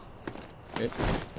えっ？